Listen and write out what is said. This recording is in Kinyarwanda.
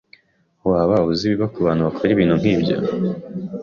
Waba uzi ibiba kubantu bakora ibintu nkibyo?